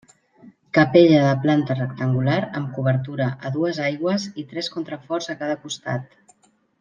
Capella de planta rectangular amb coberta a dues aigües i tres contraforts a cada costat.